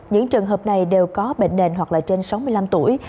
những trường hợp này đều có bệnh nền hoặc là trên sáu mươi năm tuổi